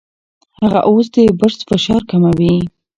هغه اوس د برس فشار کموي.